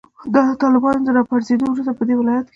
د طالبانو د راپرزیدو وروسته پدې ولایت کې